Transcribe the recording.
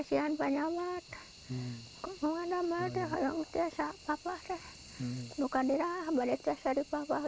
saya berdoa kepada bapak berdoa kepada bapak